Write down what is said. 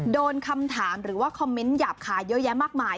โดนคำถามหรือว่าคอมเมนต์หยาบคายเยอะแยะมากมาย